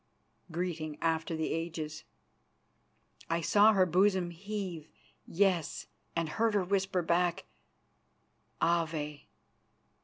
_" Greeting after the ages! I saw her bosom heave; yes, and heard her whisper back: "_Ave!